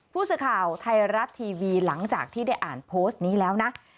ผู้สื่อข่าวไทยรัฐทีวีหลังจากที่ได้อ่านโพสต์นี้แล้วนะ